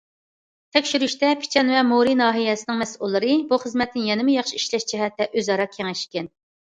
تەكشۈرۈشتە، پىچان ۋە مورى ناھىيەسىنىڭ مەسئۇللىرى بۇ خىزمەتنى يەنىمۇ ياخشى ئىشلەش جەھەتتە ئۆزئارا كېڭەشكەن.